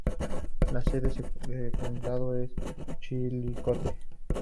La sede del condado es Chillicothe.